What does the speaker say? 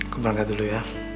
gue berangkat dulu ya